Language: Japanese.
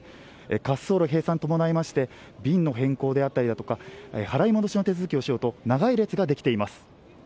滑走路閉鎖に伴いまして便の変更手続き払い戻しの手続きをしようと長い列ができています。